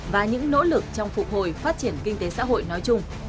và những nỗ lực trong phục hồi phát triển kinh tế xã hội nói chung